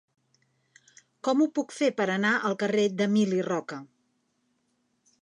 Com ho puc fer per anar al carrer d'Emili Roca?